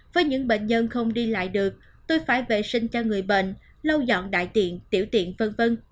với những bệnh nhân không đi lại được tôi phải vệ sinh cho người bệnh lâu dọn đại tiện tiểu tiện v v